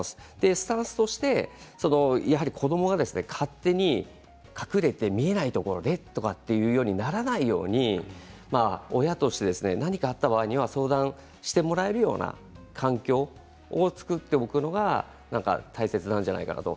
スタンスとして子どもが勝手に隠れて見えないところでとならないように親として何かあった場合は相談してもらえるような環境を作っておくのが大切なんじゃないかなと。